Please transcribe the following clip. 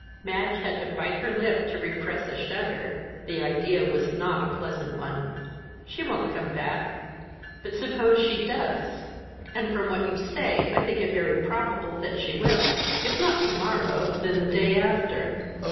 Madge had to bite her lip to repress a shudder; the idea was not a pleasant one. "She won't come back." "But suppose she does? and from what you say I think it very probable that she will; if not to morrow, then the day after."